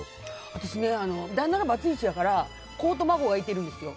私、旦那がバツイチやから子と孫がいてるんですよ。